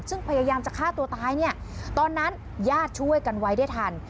ซึ่งพยายามจะฆ่าตัวตายเนี่ยตอนนั้นญาติช่วยกันไว้ได้ทัน